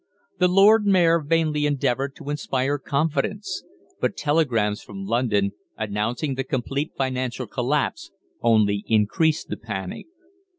The Lord Mayor vainly endeavoured to inspire confidence, but telegrams from London, announcing the complete financial collapse, only increased the panic.